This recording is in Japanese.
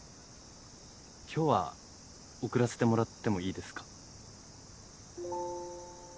今日は送らせてもらってもいいですか？